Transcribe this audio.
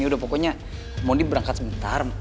ya udah pokoknya mondi berangkat sebentar